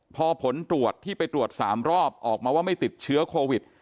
พอผลตรวจที่ไปตรวจ๓รอบออกมาว่าไม่ติดเชื้อโควิด